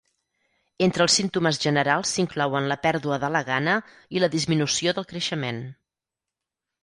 Entre els símptomes generals s'inclouen la pèrdua de la gana i la disminució del creixement.